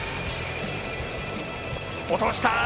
落とした。